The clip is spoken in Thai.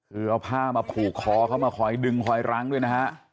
คือเอาผ้ามาผูกคอเข้ามาคอยดึงคอยรั้งด้วยนะฮะ